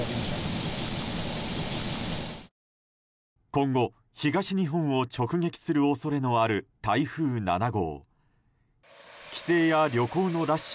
今後、東日本を直撃する恐れのある台風７号。